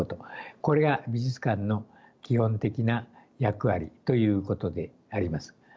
これが美術館の基本的な役割ということであります。